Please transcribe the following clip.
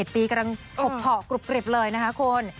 ๒๑ปีกำลังหกห่อกรุบกริบเลยนะคะคุณ